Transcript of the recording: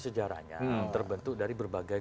sejarahnya terbentuk dari berbagai